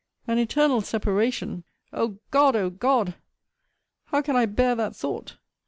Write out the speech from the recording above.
An eternal separation! O God! O God! How can I bear that thought!